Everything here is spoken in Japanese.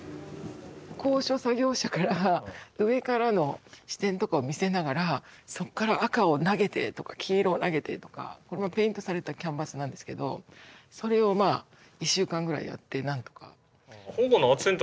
高所作業車から上からの視点とかを見せながらそこから赤を投げてとか黄色を投げてとかこのペイントされたキャンバスなんですけどそれをまあ１週間ぐらいやってなんとか。